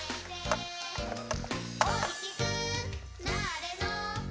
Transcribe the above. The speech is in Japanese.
「おいしくなあれの」